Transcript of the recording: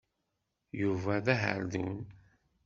Yuba d aherdun.